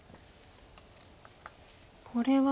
これは。